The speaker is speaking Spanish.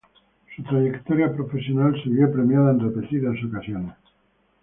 Su trayectoria profesional se vio premiada en repetidas ocasiones.